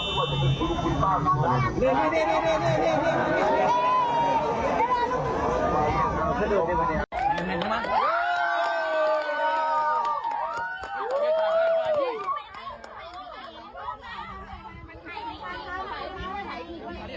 มันจะพูดอยู่เลย